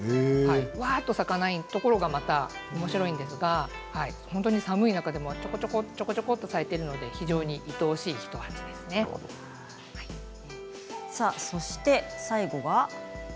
わっと咲かないところがまたおもしろいんですが本当に寒い中でもちょこちょこと咲いているのでそして最後は。